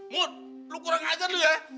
mut lo kurang ajar lo ya